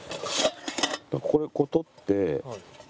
これこう取って。